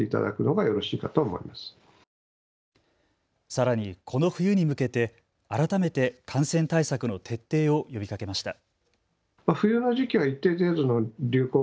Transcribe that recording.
さらに、この冬に向けて改めて感染対策の徹底を呼びかけました。